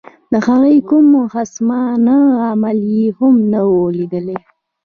د هغه کوم خصمانه عمل یې هم نه وو لیدلی.